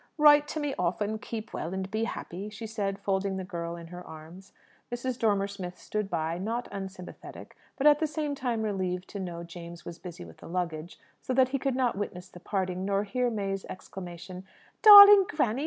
Write to me often, keep well, and be happy!" she said, folding the girl in her arms. Mrs. Dormer Smith stood by, not unsympathetic, but at the same time relieved to know James was busy with the luggage, so that he could not witness the parting, nor hear May's exclamation, "Darling granny!